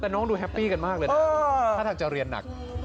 น้องดูแฮปปี้กันมากเลยนะ